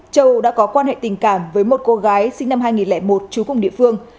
châu đã có quan hệ tình cảm với một cô gái sinh năm hai nghìn một trú cùng địa phương